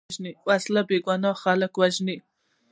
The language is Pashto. وسله بېګناه خلک وژلي